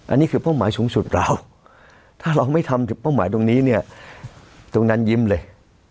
อันนี้คือเป้าหมายสูงสุดเราถ้าเราไม่ทำเป้าหมายตรงนี้เนี่ยตรงนั้นยิ้มเลย